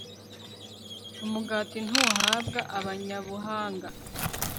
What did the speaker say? umugati ntuhabwa abanyabuhanga